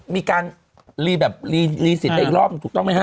มีการลีสิทธิ์อีกรอบถูกต้องมั้ยฮะ